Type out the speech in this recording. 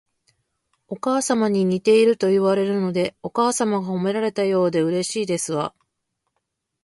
お母様に似ているといわれるので、お母様が褒められたようでうれしいですわ